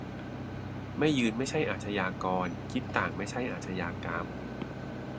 "ไม่ยืนไม่ใช่อาชญากร คิดต่างไม่ใช่อาชญากรรม"